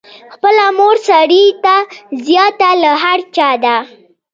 خپله مور سړي ته زیاته له هر چا ده.